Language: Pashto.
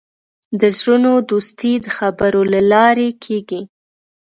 د زړونو دوستي د خبرو له لارې کېږي.